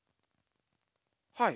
はい。